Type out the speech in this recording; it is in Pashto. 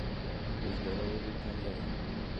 پیج دره ولې تنګه ده؟